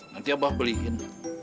nanti abah beliin